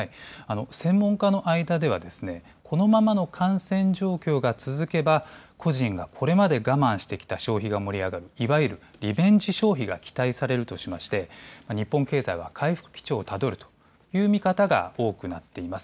専門家の間ではこのままの感染状況が続けば個人がこれまで我慢してきた消費が盛り上がる、いわゆるリベンジ消費が期待されるとしていまして日本経済は回復基調をたどるという見方が多くなっています。